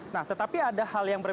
nah tetapi ada hal yang berbeda